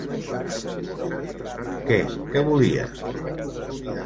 Que què volia?!